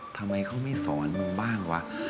ทำไมเขาไม่สอนมึงบ้างวะ